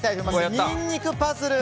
にんにくパズル。